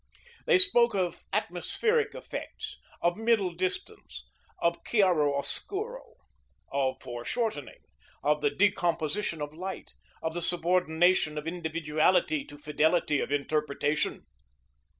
They spoke of atmospheric effects, of middle distance, of "chiaro oscuro," of fore shortening, of the decomposition of light, of the subordination of individuality to fidelity of interpretation.